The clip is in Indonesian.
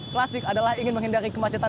klasik adalah ingin menghindari kemacetan